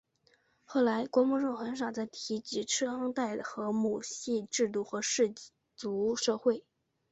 后来郭沫若很少再提及商代的母系制度和氏族社会。